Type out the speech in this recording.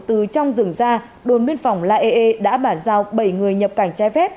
từ trong rừng ra đồn biên phòng laee đã bản giao bảy người nhập cảnh trái phép